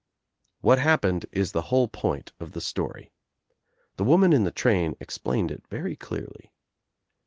What happened is the whole point of the story. The woman in the train explained it very clearly.